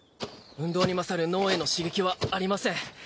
運動に勝る脳への刺激はありません。